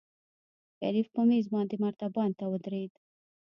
شريف په مېز باندې مرتبان ته ودرېد.